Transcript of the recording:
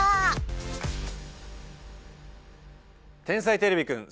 「天才てれびくん」